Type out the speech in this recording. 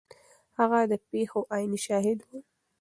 هغه د پیښو عیني شاهد و.